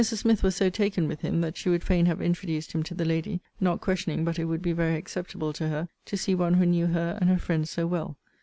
Smith was so taken with him, that she would fain have introduced him to the lady, not questioning but it would be very acceptable to her to see one who knew her and her friends so well.